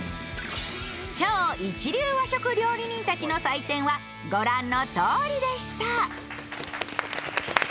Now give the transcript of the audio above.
超一流の和食料理人たちの採点は御覧のとおりでした。